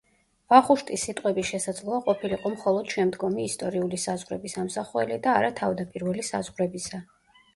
ვახუშტის სიტყვები შესაძლოა ყოფილიყო მხოლოდ შემდგომი ისტორიული საზღვრების ამსახველი და არა თავდაპირველი საზღვრებისა.